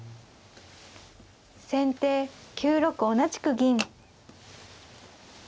先手９六同じく銀。